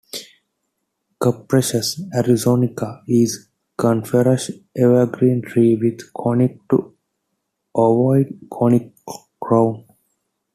"Cupressus arizonica" is a coniferous evergreen tree with a conic to ovoid-conic crown.